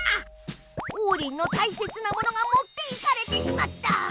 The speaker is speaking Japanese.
オウリンのたいせつなものがもっていかれてしまった！